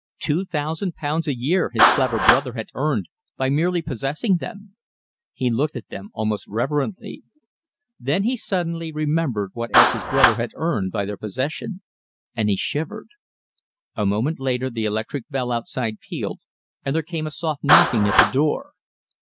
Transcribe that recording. Two thousand pounds a year his clever brother had earned by merely possessing them! He looked at them almost reverently. Then he suddenly remembered what else his brother had earned by their possession, and he shivered. A moment later the electric bell outside pealed, and there came a soft knocking at the door.